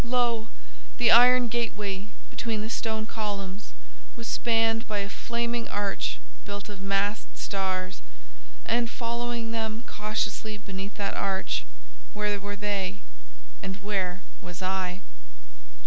Lo! the iron gateway, between the stone columns, was spanned by a flaming arch built of massed stars; and, following them cautiously beneath that arch, where were they, and where was I?